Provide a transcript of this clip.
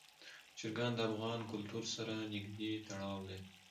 چرګان د افغان کلتور سره نږدې تړاو لري.